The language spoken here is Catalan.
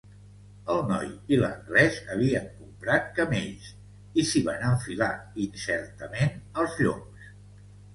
El noi i l'anglès havien comprat camells i s'hi van enfilar incertament als lloms.